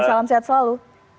salam sehat selalu